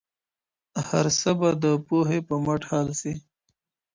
هر څه به د پوهې په مټ حل سي.